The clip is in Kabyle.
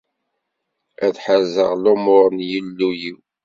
Ad ḥerzeɣ lumur n Yillu-iw.